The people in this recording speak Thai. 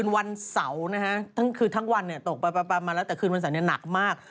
วันเสาร์นะฮะคือทั้งวันเนี่ยตกประมาณแล้วแต่คืนวันเสาร์เนี่ยหนักมาก